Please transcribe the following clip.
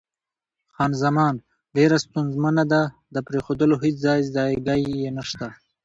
خان زمان: ډېره ستونزمنه ده، د پرېښودلو هېڅ ځای ځایګی یې نشته.